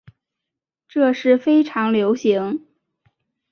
这是非常流行。